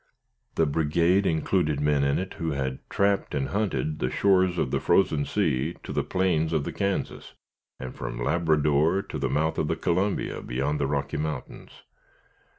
The brigade included men in it, who had trapped and hunted the shores of the Frozen Sea to the plains of the Kansas, and from Labrador to the mouth of the Columbia, beyond the Rocky Mountains.